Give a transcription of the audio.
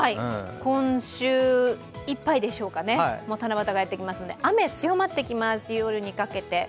今週いっぱいでしょうかね、七夕がやってきますので雨、強まってきます、夜にかけて。